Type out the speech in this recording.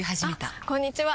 あこんにちは！